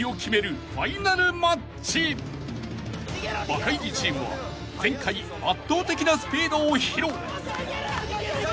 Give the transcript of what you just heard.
［バカイジチームは前回圧倒的なスピードを披露］